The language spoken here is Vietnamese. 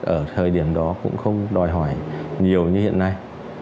ở thời điểm đó cũng không đòi hỏi nhiều như hiện nay